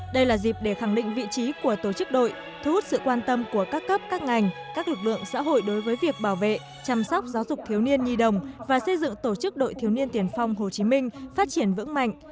đây là dịp để khẳng định vị trí của tổ chức đội thu hút sự quan tâm của các cấp các ngành các lực lượng xã hội đối với việc bảo vệ chăm sóc giáo dục thiếu niên nhi đồng và xây dựng tổ chức đội thiếu niên tiền phong hồ chí minh phát triển vững mạnh